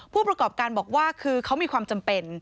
ผู้ประกอบการบอกว่าคือเขามีความจำเป็น